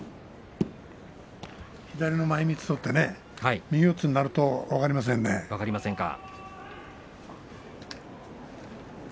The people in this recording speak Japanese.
左の前みつを取って右四つになると分かりませんね。